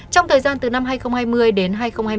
trong thời gian từ năm hai nghìn hai mươi đến hai nghìn hai mươi